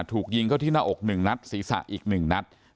ถูกยิงก็ที่หน้าอกหนึ่งนัดศีรษะอีกหนึ่งนัด